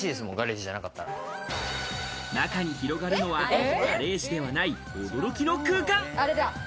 中に広がるのはガレージではない驚きの空間。